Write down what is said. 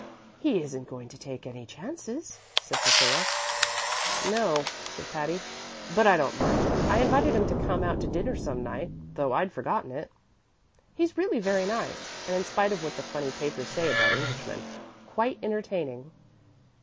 "He isn't going to take any chances," said Priscilla. "No," said Patty; "but I don't mind. I invited him to come out to dinner some night, though I'd forgotten it. He's really very nice, and, in spite of what the funny papers say about Englishmen, quite entertaining."